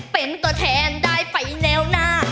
เป็นตัวแทนได้ไปแนวหน้า